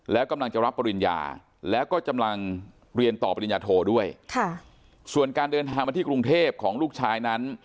แล้วกำลังจะรับปริญญาแล้วก็กำลังเรียนต่อปริญญาโทด้วยค่ะส่วนการเดินทางมาที่กรุงเทพของลูกชายนั้น